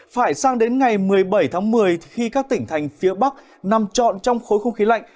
phải sang đến ngày một mươi bảy tháng một mươi khi các tỉnh thành phía bắc nằm trọn trong khối không khí lạnh